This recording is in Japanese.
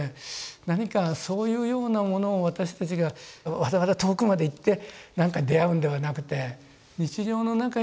何かそういうようなものを私たちがわざわざ遠くまで行って何かに出会うんではなくて日常の中に自分の人生の次元に出会う。